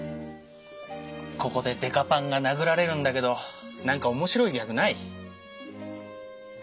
ここでデカパンが殴られるんだけど何か面白いギャグない？